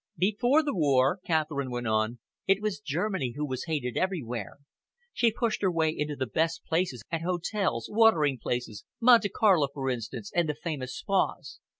"Before the war," Catherine went on, "it was Germany who was hated everywhere. She pushed her way into the best places at hotels, watering places Monte Carlo, for instance and the famous spas.